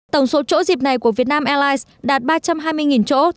tổng số chỗ dịp này của việt nam airlines đạt ba trăm hai mươi chỗ